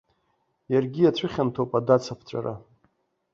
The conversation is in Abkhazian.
Иаргьы иацәыхьанҭоуп адац аԥҵәара.